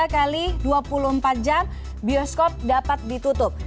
tiga x dua puluh empat jam bioskop dapat ditutup